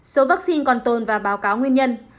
số vaccine còn tồn và báo cáo nguyên nhân